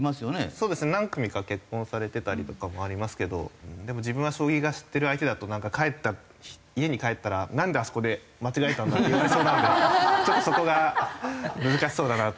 そうですね何組か結婚されてたりとかもありますけどでも自分は将棋を知ってる相手だとなんか帰ったら家に帰ったらなんであそこで間違えたんだって言われそうなのでそこが難しそうだなと思います。